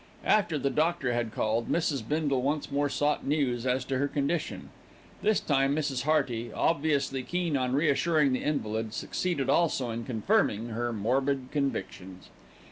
After the doctor had called, Mrs. Bindle once more sought news as to her condition. This time Mrs. Hearty, obviously keen on reassuring the invalid, succeeded also in confirming her morbid convictions.